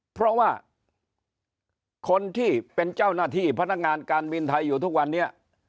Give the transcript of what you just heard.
เพราะว่าคนที่เป็นเจ้าหน้าที่พนักงานการบินไทยอยู่ทุกวันนี้